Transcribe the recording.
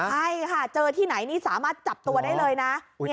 ใช่ค่ะเจอที่ไหนนี่สามารถจับตัวได้เลยนะ